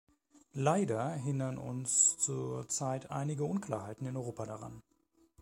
Leider hindern uns zur Zeit einige Unklarheiten in Europa daran.